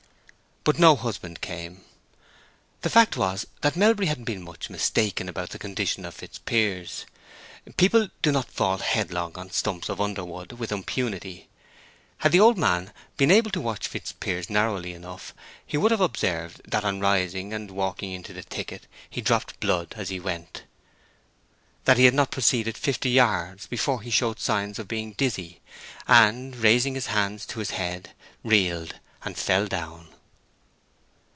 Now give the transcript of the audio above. But no husband came. The fact was that Melbury had been much mistaken about the condition of Fitzpiers. People do not fall headlong on stumps of underwood with impunity. Had the old man been able to watch Fitzpiers narrowly enough, he would have observed that on rising and walking into the thicket he dropped blood as he went; that he had not proceeded fifty yards before he showed signs of being dizzy, and, raising his hands to his head, reeled and fell down.